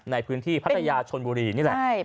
ในพื้นที่พัทยาชนบุรีนี่แหละ